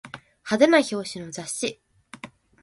派手な表紙の雑誌